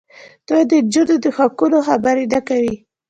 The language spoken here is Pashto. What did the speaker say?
دوی د نجونو د حقونو خبرې نه کوي.